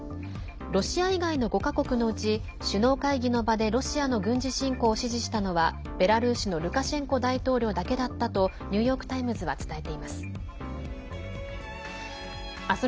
ロシア以外の５か国のうち首脳会合の場でロシアの軍事侵攻を支持したのはベラルーシのルカシェンコ大統領だけだったとニューヨーク・タイムズは伝えています。